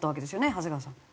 長谷川さん。